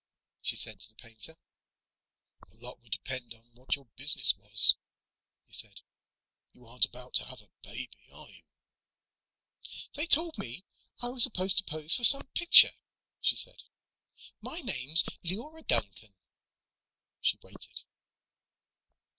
she said to the painter. "A lot would depend on what your business was," he said. "You aren't about to have a baby, are you?" "They told me I was supposed to pose for some picture," she said. "My name's Leora Duncan." She waited.